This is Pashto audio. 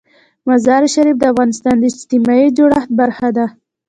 مزارشریف د افغانستان د اجتماعي جوړښت برخه ده.